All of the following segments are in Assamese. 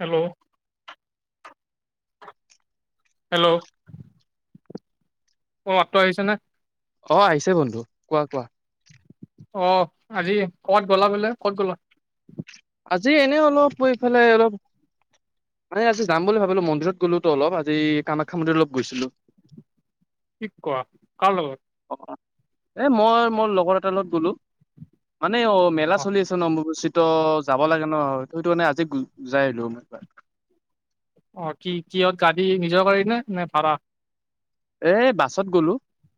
হেল্ল'। হেল্ল'। অহ মাতটো আহিছে নে। অ আহিছে বন্ধু কোৱা কোৱা। অহ আজি ক'ত গ'লা বোলে ক'ত গ'লা। আজি এনে অলপ এইফালে অলপ। মানে আজি যাম বুলি ভাবিলোঁ মন্দিৰত গলোতো অলপ আজি কামাখ্যা মন্দিৰত অলপ গৈছিলোঁ। কি কোৱা কাৰ লগত। অ এ মই মোৰ লগৰ এটাৰ লগত গ'লো। মানে অ মেলা চলি আছে অম্বুবাচীত। ত যাব লাগে ন সেইটো কাৰণে‌ আজি যাই আহিলোঁ অ কি কিহত গাড়ী নিজৰ গাড়ী নে নে ভাড়া। এ বাছত গ'লো।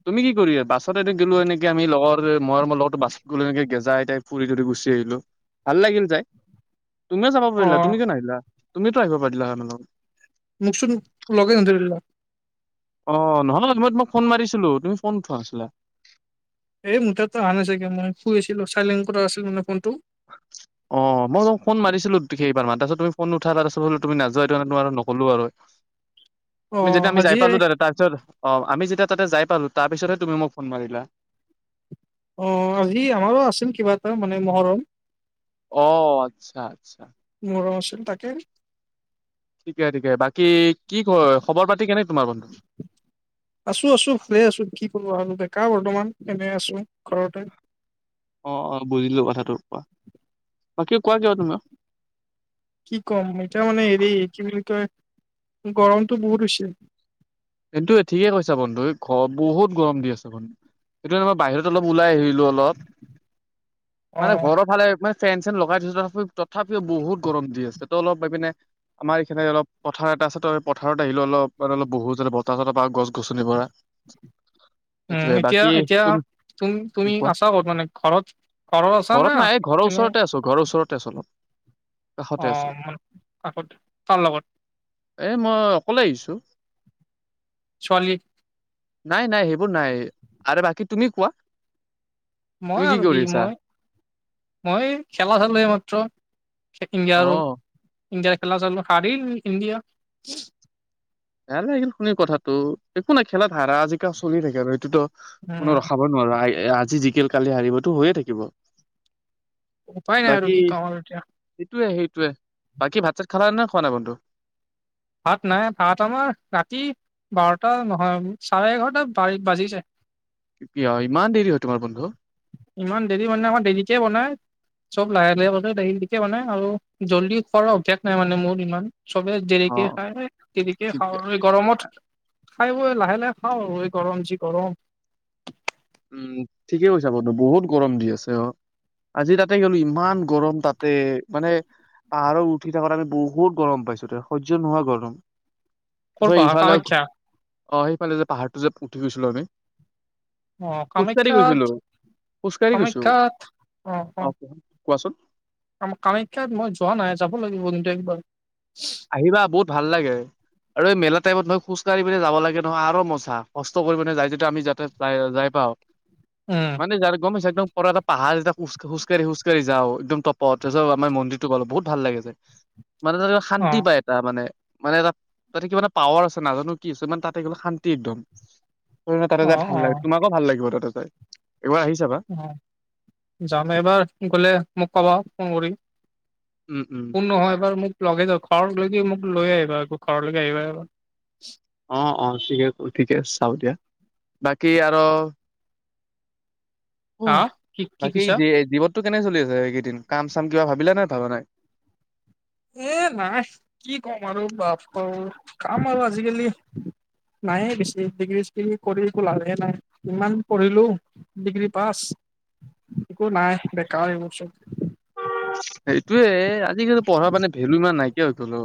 তুমি কি কৰিলা বাছত এ গলোঁ এনেকে আমি লগৰ মই মোৰ লগৰতো বাছত গলোঁ, এনেকে গেজাই এটাই ফুৰি ধৰি গুছি আহিলো। সেইটো ভাল লাগিল যাই। তুমিয়ে যাব অ পাৰিলা তুমি কিয় নাহিলা। তুমিতো আহিব পাৰিলা আমাৰ লগত। মোকচোন লাগেন নধৰিলে অ নহ'লে মই তোমাক ফোন মাৰিছিলোঁ তুমি ফোন উঠোৱা নাছিলা। এই মোৰতো আহা নাই চাগে মই শুই আছিলোঁ চাইলেণ্ট কৰা আছিল মানে ফোনটো। অ মই ফোন মাৰিছিলোঁ কেইবাৰমান তাৰ পিছত তুমি ফোন নোঠালা, তাৰপিছত বোলো তুমি নোযোৱা এইটো কাৰণে তোমাক নক কলো আৰু অ যেতিয়া আমি আজি যাই পালোঁ তাত তাৰপিছত। অ আমি যেতিয়া তাতে যাই পালোঁ। তাৰপিছতহে তুমি মোক ফোন মাৰিলা। অ আজি আমাৰো আছিল কিবা এটা মানে মহৰম। অ আচ্ছা আচ্ছা। মহৰম আছে তাকে। ঠিকে ঠিকে বাকী কি খবৰ খবৰ পাতি কেনেকে তোমাৰ বন্ধু। আছোঁ আছোঁ ভালে আছোঁ কি কৰোঁ আৰু‌ বেকাৰ বৰ্তমান এনে আছোঁ ঘৰতে। অ অ বুজিলোঁ কথাটো কোৱা। বাকী কোৱা কিয় তুমিও। কি কম এতিয়া মানে হেৰী কি বুলি কয়। গৰমটো বহুত হৈছে। কিন্তু ঠিকে কৈছা বন্ধু এই ঘৰত বহুত গৰম দি আছে বন্ধু। সেইটো কাৰনে ত বাহিৰত অলপ ওলাই আহিলোঁ অলপ অ মানে ঘৰৰ ফালে। ফেন চেন লগাই দিছো তথাপি তথাপিও বহুত গৰম দি আছে তো অলপ পাই পিনে আমাৰ এইখে অলপ পথাৰত তাৰপাছত পথাৰত আহিলো অলপ অলপ বহু বতাহ চতৰ পাওঁ গছ গছনি পৰা। উম সেইটোয়ে এতিয়া বাকী এতিয়া তুমি তুমি তুমি কোৱা আছা কত মানে ঘৰত আছা না ঘৰত নাই এই ঘৰৰ এনে ওচৰতে আছো ঘৰৰ ওচৰতে আছো অলপ। কাষতে অ আছো। মনে কাষত কাৰ লগত এ মই অকলে আহিছো। ছোৱালী নাই নাই সেইবোৰ নাই আৰু বাকী তুমি কোৱা তুমি মই আৰু কি কৰি আছা? মই মই খেলা খেলিলো এইমাত্ৰ ইণ্ডিয়া অ ইণ্ডিয়াৰ খেলা চালোঁ সাৰিল ইণ্ডিয়া। বেয়া লাগিল শুনি কথাটো একো নাই খেলা। ধাৰা আজিকালি চলি থাকে আৰু সেইটোতো উম, কোনো ৰখাব নোৱাৰা এই এ আজি জিকেল কালি হাৰিবতো হৈয়ে থাকিব। উপায় নাই আৰু বাকী কি কওঁ আৰু এতিয়া। সেইটোৱে সেইটোৱে বাকী ভাত চাত খালা নে খোৱা নাই বন্ধু। ভাত নাই ভাত আমাৰ ৰাতি বাৰটা নহয় চাৰে এঘাৰটা বাজি যায়। কি ইমান দেৰি হয় তোমাৰ বন্ধু ইমান দেৰি মানে অকৌ দেৰিকে বনাই চব লাহে লাহে গলে [unintelligible] আৰু জল্দি খোৱাৰ অভ্যাস নাই মানে মোৰ ইমান। চবে অ দেৰিকে খায় দেৰিকে ঠিকে খাওঁ গৰমত। খাই বই লাহে লাহে খাওঁ আৰু এই গৰম যি গৰম উম ঠিকে কৈছা বাৰু ত বহুত গৰম দি আছে অ। আজি তাতে গলো ইমান গৰম তাতে মানে পাহাৰত উঠি থাকাত আমি বহুত গৰম পাইছো সহ্য নোহোৱা গৰম ক'ত তাৰপিছত পাহাৰ ইফালে কামাখ্যা। অ সেইফালে যে পাহাৰটো যে উঠি গৈছিলো আমি। অ খোজকাাঢ়ি কামাখ্যাত গৈছিলো খোজকাঢ়ি গৈছো কামাখ্যাত অহ কোৱাচোন। আ কামাখ্যাত মই যোৱা নাই যাব লাগিব কিন্তু একবাৰ। আহিবা বহুত ভাল লাগে আৰু এই মেলা টাইপত মই খোজ কাঢ়ি পিনে যাব লাগে নহয় আৰু মজা কষ্ট কৰি পিনে যায় তাতে আমি যাতে যাই পাওঁ উম মানে যাৰ গমি চাইদ নো এ পাহাৰ যেতিয়া খোজ খোজকাঢ়ি খোজকাঢ়ি যাওঁ একদম তপ তাৰছত পিছত আমাৰ মন্দিৰটো পালোঁ বহুত ভাল লাগে‌ যে। মানে তাতে অ শান্তি পায় টা মানে মানে এটা তাতে কিবা এটা পাৱাৰ আছে নাজানো কি আছে মানে তাতে গলে শান্তি একদম। তাতে অ যাই ভাল অ লাগে তোমাকো ভাল লাগিব তাতে যাই। একবাৰ আহি চাবা অ যাম এইবাৰ গলে মোক কবা ফোন কৰি। উম উম কোন নহয় এবাৰ মোক লগে যাওঁক কাৰণ লৈ কি মোক লৈ আহিবা আকৌ ঘৰলৈকে আহিবা এবাৰ অ অ ঠিকে ঠিকে আ চাও দিয়া বাকী আৰু। অ হা কি কি বাকী কৈছা জী জীৱনটো কেনে চলি আছে? এইকেইদিন কাম চাম কিবা ভাবিলা নে ভাবা নাই। এ নাই কি ক'ম আৰু বাপা অ কাম আৰু আজিকালি নায়ে বেছি ডিগ্ৰী চিগ্ৰী কৰি একো লাভে নাই ইমান পঢ়িলো ডিগ্ৰী পাছ। একো নাই বেকাৰ এইবোৰ চব সেইটোয়ে আজিকালি পঢ়া মানে ভেলু ইমান নাইকিয়া হৈ গ'ল অ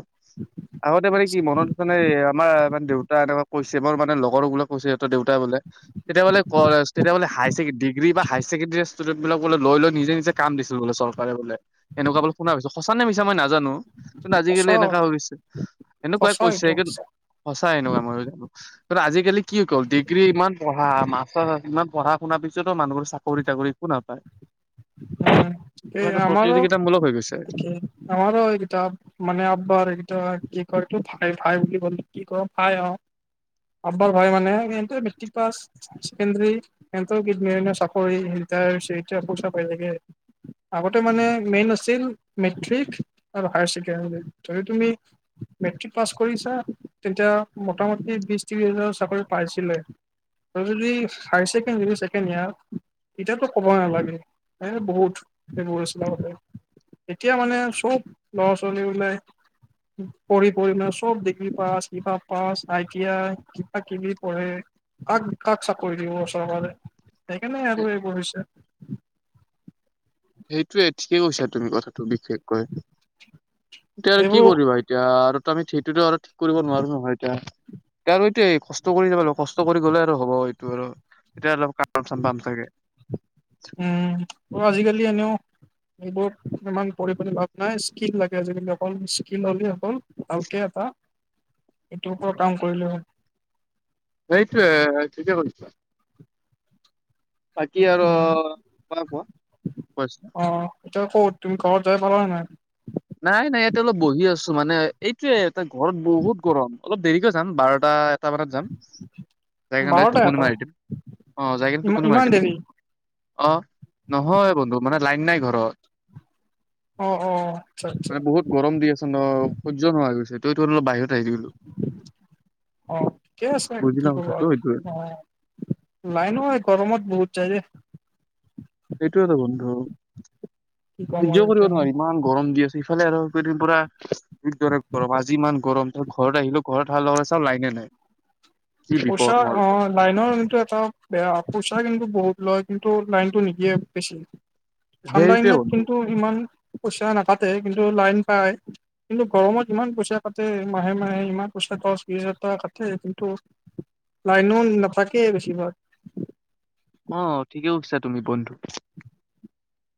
আগতে মানে কি মনত আছে নে আমাৰ মানে দেউতা এনেকুৱা কৈছে মোৰ মানে লগৰো বোলে কৈছে সিহঁৰ দেউতা বোলে তেতিয়া বোলে ক তেতিয়া বোলে- হাই ডিগ্ৰী বা হাই ছেকেণ্ডেৰি ষ্টুডেন্ট বিলাক বিলাক লৈ লৈ নি নিজে কাম দিছিল বোলে চৰকাৰে বোলে এনেকুৱা বোল শুনা পাইছো সঁচা নে মিছা মই নাজানো। কিন্তু আজিকালি সঁচা এনেকুৱা হৈ গৈছে এনেকুৱাই সঁচা কৈছে এইটো কিন্ত সঁচা সঁচাই এনেকুৱা মই জানো কাৰ আজিকালি কি ক'ল ডিগ্ৰী ইমান পঢ়া মাষ্টাৰ ইমান পঢ়া শুনা পিছত মানুহৰ চাকৰি টাকৰি একো নাপায়। উম পুৰা এই এইটো আমাৰ প্ৰতিযোগিতামূলক হৈ গৈছে ৰ আমাৰ এইকিটা মানে আব্বাৰ এইকিটা কি কৰে। ভাই ভাই বুলি কল কি কৰ ভাই অ। আব্বাৰ ভাই মানে মেট্ৰিক পাছ চেকেণ্ডৰী সেনতৰ কি ধুনীয়া ধুনীয়া চাকৰি। ৰিটাই হৈছে এতিয়া পইচা পায় থাকে আগতে মানে মেইন আছিল। মেট্ৰিক আৰু হায়াৰ ছেকেণ্ডৰী যদি তুমি মেট্ৰিক পাছ কৰিছা তেতিয়া। মোটামুটি বিশ ত্ৰিশ হাজাৰ চাকৰি পাইছিলে। যদি হাইছেকেণ্ডৰি ছেকেন ইয়াৰ এতিয়াতো কব নালাগে। ন বহুত [unintelligible] এতিয়া মানে চব ল'ৰা ছোৱালী ওলাই পঢ়ি পঢ়ি মানে চব ডিগ্ৰী পাছ কিবা পাছ আইটিয়া কিবা কিবি পঢ়ে। কাক কাক চাকৰি দিব চৰকাৰে? সেইকাৰণে আৰু এইবোৰ কৰিছে। সেইটোয়ে ঠিকে কৈছা। তুমি কথাটো বিশেষকৈ, এতিয়া আৰু কি এইবোৰ কৰিবা? এতিয়া আৰু আমি সেইটোতো আৰু ঠিক কৰিব নোৱাৰো নহয় এতিয়া। আৰু আৰু এইটোৱে, কষ্ট কৰি যাব লাগিব। কষ্ট কৰি গ'লে আৰু হ'ব এইটো আৰু। এতিয়া অলপ কা। উম। অ' আজিকালি এনেও। এইবোৰ ইমান পৰিপাটি ভাব নাই, স্কিল লাগে আজিকালি, অকল স্কিল হ'লে অকল ভালকে এটা। এইটো পৰা কাম কৰিলো হয়। সেইটোৱ ঠিকে কৈছা। বাকী আৰু উম কোৱা, [unintelligible] অ এতিয়া ক'ত তুমি ঘৰত যাই পালা নাই? নাই নাই, ইয়াতে অলপ বহি আছো মানে। এইটোৱে ইয়াতে ঘৰত বহুত গৰম। অলপ দেৰিকৈ। যাম, বাৰটা-এটামানত যাম। জাইকেনে দাইৰেক বাৰটা টোপনি এটা মাৰি দিম। অ' জাইকেনে ইমান টোপনি মাৰি ইমান দিম। দেৰি অ' নহয় বন্ধু, মানে লাইন নাই ঘৰত। অ' অ'। আচ্ছা আচ্ছা মানে বহুত গৰম দি আছে ন, সহ্য নোহোৱা হৈ গৈছে, ত টো অলপ বাহিৰত আহি গ'লো। অ' ঠিকে আছে। কি ক'বা আৰু, সেইটোয়ে অ' লাইনো এই গৰমত বহুত। যায় দেই। সেইটোৱেটো বন্ধু। কি ক'ম আৰু সহ্য কৰিব এতিয়া নোৱাৰি ইমান গৰম দি আছে। ইফালে আৰু কেইদিন পুৰা, কিদৰে গৰম! আজি ইমান গৰম। আৰু ঘৰত আহিলো, ঘৰত অহাৰ লগে লগে চাওঁ, লাইনে নাই। কি পইচা, বিপদ মোৰ অ' লাইনৰ ককিন্তু এটা বেয়া, পইচা কিন্তু বহুত। লয়। কিন্তু লাইনতটো নিদিয়ে বেছি। ঠাণ্ডা সেইটোৱে দিনত বন্ধু কিন্তু ইমান। পইচা নাকাটে। কিন্তু লাইন পায়। কিন্তু গৰমত ইমান পইচা কাটে, মাহে মাহে ইমান পইচা। দশ বিশহাজাৰ টকা কাটে, কিন্তু। লাইনো নাথাকে, বেছিভাগ। অ' ঠিকেই কৈছা তুমি, বন্ধু।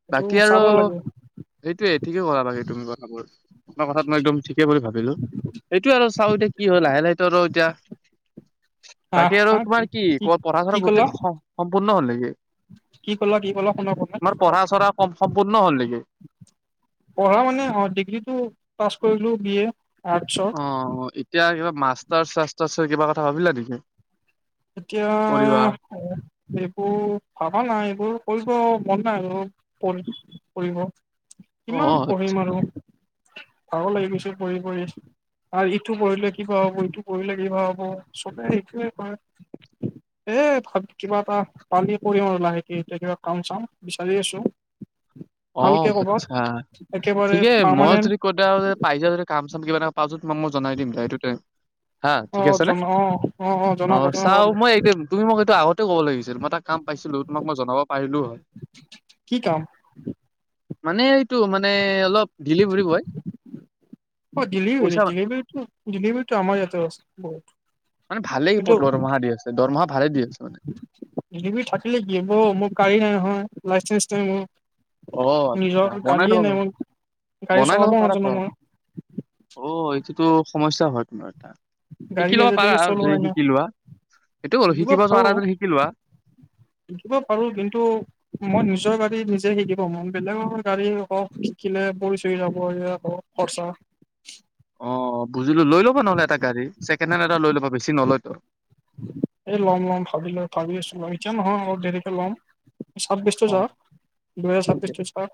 সেইটো বাকী আৰু চাব লাগে সেইটোৱে, ঠিকেই ক'লা বাকী তুমি কথাবোৰ। তোমাৰ কথাত একদম ঠিক। বুলি ভাবিলো। এইটো আৰু চাওঁ এতিয়া কি হয়! লাহে-লাহেতো আৰু এতিয়া। হা বাকী আৰু হা তোমাৰ কি ক কি পঢ়া-চৰা ক'লা গোটেই সম্পূৰ্ণ হ'ল নেকি? কি ক'লা? কি ক'লা শুনা পোৱা নাই। ক'লা পঢ়া-চঢ়া কম সম্পূৰ্ণ হ'ল নেকি? পঢ়া মানে, অ' ডিগ্ৰীটো পাছ কৰিলো, বি এ। আৰ্টছৰ অ'। এতিয়া কিবা মাষ্টাৰচ-চাষ্টাৰচৰ কিবা কথা ভাবিলা নেকি? এতিয়া, কৰিবা এইবোৰ ভাবা নাই। এইবোৰ কৰি। পঢ়িব মন নাই আৰু। পঢ়-পঢ়িব, অ কিমান আচ্ছা পঢ়িম আৰু! ভাগৰ লাগি গৈছে, পঢ়ি পঢ়ি। আৰু ইটো পঢ়িলে কিবা হ'ব, ইটো পঢ়িলে কিবা হ'ব। চবে সেইটোৱে কয়। এ কিবা এটা পালি কৰিম আৰু লাহেকে। এতিয়া কিবা কাম-চাম বিচাৰি আছো। ভালকে অ' ক'বাত আচ্ছা একেবাৰে ঠিকে, মই পাৰমানেণ্ট যদি [unintelligible] পাই যাওঁ যদি কাম-চাম কিবা [unintelligible] তোমাক মই জনাই দিম দিয়া এইটো। হা অ ঠিক আছেনে? জনা অ জনাব অ' জনাব চাওঁ, মই একদম তুমি মোক এইটো আগতে ক'ব লাগিছিল, মই এটা কাম পাইছিলো। তোমাক মই জনাব পাৰিলো হয়। কি কাম? মানে এইটো মানে অলপ ডেলিভিৰি বয়। অ' ডেলিভিৰি, পইচা ডেলিভিৰিটো আমাৰ ইয়াতো আছে। মানে ভালেই পদ, দৰমহা দি আছে। দৰমহা ভালে দি আছে মানে। ডেলিভিৰি থাকিলে কি হ'ব! মোৰ কাড়ী নাই নহয়, লাইচেন্স নাই অ' মোৰ। আচ্ছা নিজৰ বনাই ল'ব গাড়ীয়ে নাই পাৰা মোৰ। গাড়ী বনাই ল'ব চলাব পাৰা ত নাজানো মই। অ' এইটোতো সমস্যা হয় তোমাৰ এটা। গাড়ী শিকি লব আজিলৈকে পাৰা আৰু চলোৱাই যে নাই শিকি লোৱা, সেইটো হ'লো শিকিব যোৱানাই যদি শিকি লোৱা। শিকিব পাৰো কিন্তু মই নিজৰ গাড়ী যে শিকিব মই বেলেগৰ গাড়ী হক শিকিলে পৰি চৰি যাব আকৌ খৰচা। [unintelligible] অ বুজিলো লৈ লবা নহ'লে এটা গাড়ী ছেকেণ্ড হেণ্ড এটা লৈ ল'বা বেছি নলয়তো। এ ল'ম ল'ম ভাবি লৈ ভাবি আছো এতিয়া নহয় অলপ দেৰিকে ল'ম। ছাব্বিছটো জা অ' দুহেজাৰ ঠিকে ছাব্বিছটো যাওক।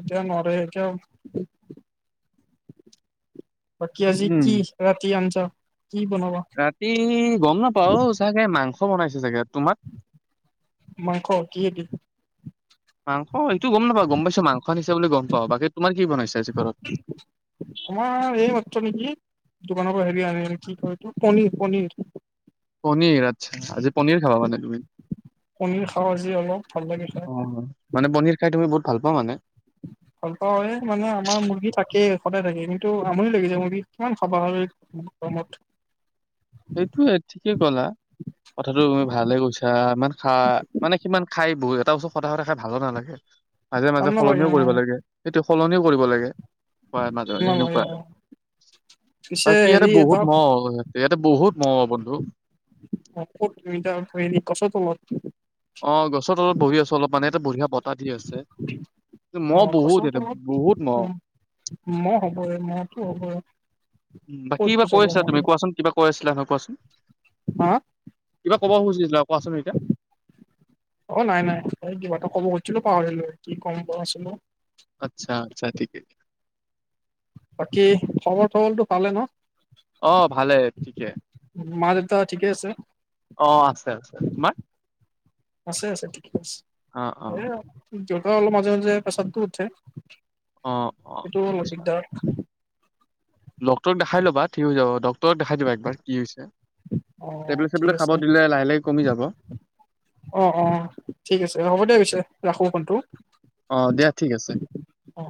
এতিয়া নদৰে এতিয়া। বাকি আজি উম। কি ৰাতি আমচা ৰাতি গম নাপাও চাগে মাংস বনাইছে চাগে। তোমাক মাংস কিহেদি? মাংস এইটো গম নাপাও, গম পাইছো মাংস আনিছে বুলি গম পাও বাকী তোমাৰ কি বনাইছে আজি ঘৰত? [unintelligible] আমাৰ এই মাত্ৰ নেকি, দোকানৰ পৰা হেৰি আনি কি কয় এইটো পনিৰ পনিৰ। পনীৰ আচ্ছা আজি পনীৰ খাব মানে তুমি। পনীৰ খাম আজি অলপ, ভাল লাগে অ খায়। মানে পনীৰ খাই তুমি বহুত ভাল পোৱা মানে? [unintelligible] ভাল পাওঁ হয় মানে আমাৰ মুৰ্গী থাকে সদায় থাকে আমিতো আমনি লাগিছে মুৰ্গী কিমান খাবা হয়। প্ৰহমত। এইটো ঠিকেই কলা। কথাটো হয় ভালে কৈছা ইমান খা মানে কিমান খাই বহু এটা বস্তু সদায় সদায় ভালো নালাগে, মাজে ভাল মাজে নালাগে সলনিও অ কৰিব লাগে সেইটো সলনিও কৰিব লাগে। হোয়াই মাজৰে ভাল নালাগে এনেকুৱা অ আৰু, পিছে বাকী ইয়াতে বহুত মহ হৈ গৈছে ইয়াত। অ খধাদি [inaudible] গছ তলত। অ গছত অলপ বহি আছো অলপ পানী এটা বঢ়িয়া বতাহ দি আছে। মহ অ বহুত গছৰ ইয়াতে তলচ বহুত মহ। উম, মহ হ'ব মহতো হ'বই। বাকী কিবা ক'ততো যাব কৈছিলা মন তুমি কোৱাচোন কিবা কৈ আছিলা নহ? কোৱাচোন, হা কিবা কব খুজিছিলা কোৱাচোন এতিয়া? অ নাই নাই এই কিবা এটা কব খুজিছিলো পাহৰিলো কি কম পোৱাছিলো? আচ্ছা আচ্ছা ঠিকে। বাকী খবৰ চবৰটো ভালে ন? অ ভালে ঠিকে। ন মা -দেউতা ঠিকে আছে। অ আছে আছে, তোমাৰ? আছে আছে ঠিকে আছে, অ অ এ দেউতা অলপ মাজে মাজে পেছাৰতো উঠে। অ অ এইটো অলপ দিগদাৰ। ডক্টৰক দেখাই ল'বা ঠিক হৈ যাব, ডক ত দেখাই দিবা একবাৰ কি হৈছে। অ টেবলেট ঠিক চেবলেট খাব আছে দিলে লাহে লাহে কমি যাব। অ অ ঠিক আছে, হ'ব দে পিছে ৰাখো ফোনটো। অ দিয়া ঠিক আছে। অ